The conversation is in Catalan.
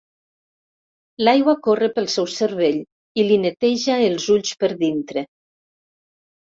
L'aigua corre pel seu cervell i li neteja els ulls per dintre.